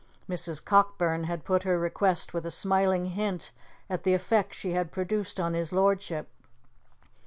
Mrs. Cockburn had put her request with a smiling hint at the effect she had produced on his lordship.